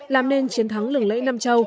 làm nên chiến thắng lừng lễ nam châu